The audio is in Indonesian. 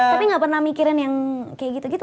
tapi gak pernah mikirin yang kayak gitu gitu